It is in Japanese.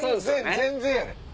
全然やねん。